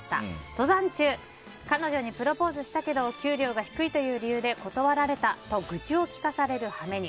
登山中彼女にプロポーズしたけど給料が低いという理由で断られたと愚痴を聞かされる羽目に。